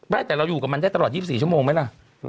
แต่เราอยู่กับมันได้ตลอด๒๔ชั่วโมงไหมล่ะ